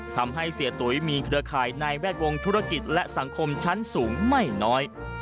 ทำให้เสียตุ๋ยมีเครือข่ายในแวดวงธุรกิจและสังคมชั้นสูงไม่น้อย